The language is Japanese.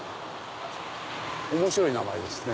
面白い名前ですね。